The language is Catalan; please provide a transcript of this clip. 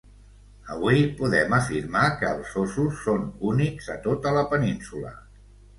Avui, podem afirmar que els ossos són únics a tota la Península.